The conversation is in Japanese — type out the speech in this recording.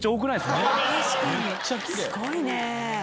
すごいね。